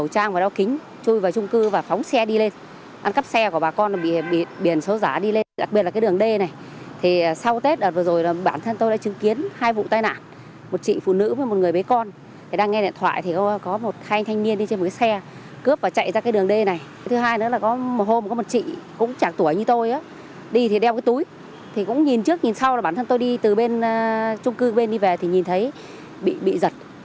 thì cũng nhìn trước nhìn sau là bản thân tôi đi từ bên chung cư bên đi về thì nhìn thấy bị giật